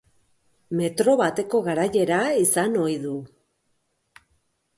Metro bateko garaiera izan ohi du.